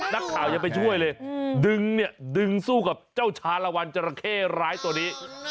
นักข่าวยังไปช่วยเลยดึงเนี่ยดึงสู้กับเจ้าชาลวันจราเข้ร้ายตัวนี้